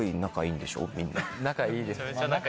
仲いいです。